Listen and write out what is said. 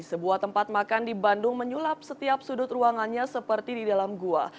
sebuah tempat makan di bandung menyulap setiap sudut ruangannya seperti di dalam gua